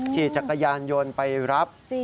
ขี่จักรยานยนต์ไปรับ